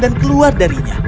dan keluar darinya